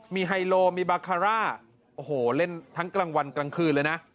มีไฮโลมีบาคาร่าโอ้โหเล่นทั้งกลางวันกลางคืนเลยนะ